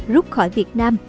rút khỏi việt nam